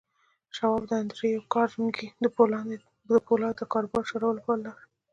شواب د انډريو کارنګي د پولادو د کاروبار چلولو لپاره لاړ.